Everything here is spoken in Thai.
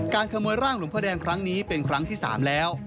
ขโมยร่างหลวงพระแดงครั้งนี้เป็นครั้งที่๓แล้ว